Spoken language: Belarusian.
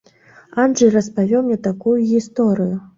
Анджэй распавёў мне такую гісторыю.